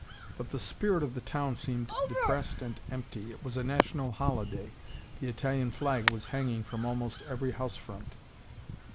But the spirit of the town seemed depressed and empty. It was a national holiday. The Italian flag was hanging from almost every housefront.